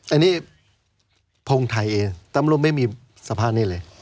อันนี้พงไทยเองตำรวจไม่มีสภาพนี้เลย